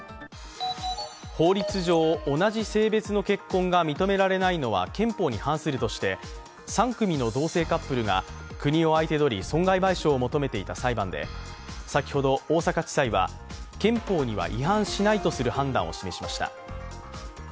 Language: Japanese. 法律上、同じ性別の結婚が認められないのは憲法に反するとして３組の同性カップルが損害賠償を求めていた裁判で、先ほど、大阪地裁は、憲法には違反しないとの判断を示しました。